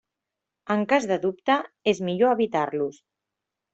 En cas de dubte és millor evitar-los.